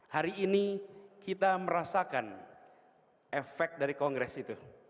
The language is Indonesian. hari ini kita merasakan efek dari kongres itu